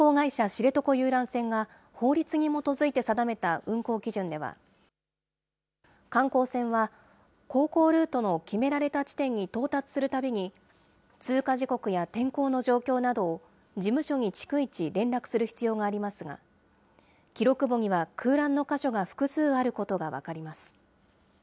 知床遊覧船が法律に基づいて定めた運航基準では、観光船は航行ルートの決められた地点に到達するたびに、通過時刻や天候の状況などを事務所に逐一、連絡する必要がありますが、記録簿には空欄の箇所が複数あることが分かります。